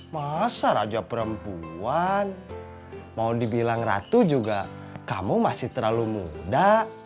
masa raja perempuan mau dibilang ratu juga kamu masih terlalu muda